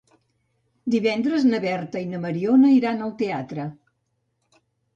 Divendres na Berta i na Mariona iran al teatre.